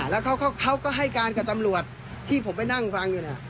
แล้วเขาก็ให้การกับตำรวจที่ผมไปนั่งฟังอยู่เนี่ย